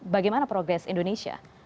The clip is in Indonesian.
bagaimana progres indonesia